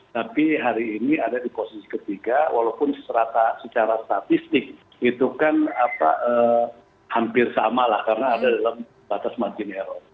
tapi hari ini ada di posisi ketiga walaupun secara statistik itu kan hampir sama lah karena ada dalam batas margin error